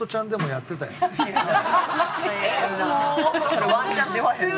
それワンチャンって言わへんな。